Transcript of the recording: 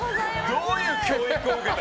どういう教育を受けた？